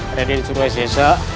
ada yang suruh saya